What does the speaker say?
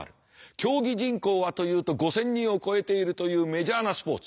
競技人口はというと５，０００人を超えているというメジャーなスポーツ。